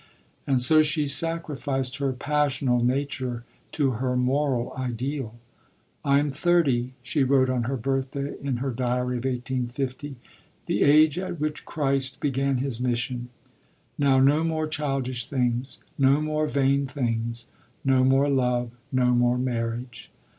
And so she sacrificed her "passional" nature to her moral ideal. "I am 30," she wrote on her birthday in her diary of 1850; "the age at which Christ began His mission. Now no more childish things, no more vain things, no more love, no more marriage.